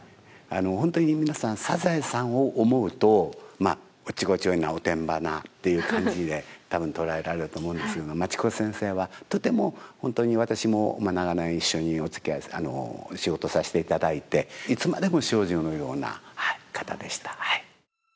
ホントに皆さんサザエさんを思うとおっちょこちょいなおてんばなっていう感じでたぶん捉えられると思うんですけど町子先生はとても私も長年一緒に仕事させていただいていつまでも少女のような方でした。